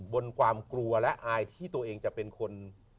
บนความกลัวและอายที่ตัวเองจะเป็นคน